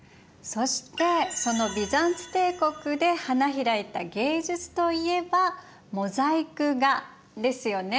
そしてそのビザンツ帝国で花開いた芸術といえばモザイク画ですよね